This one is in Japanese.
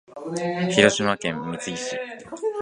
広島県三次市